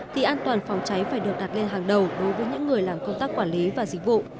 thì an toàn phòng cháy phải được đặt lên hàng đầu đối với những người làm công tác quản lý và dịch vụ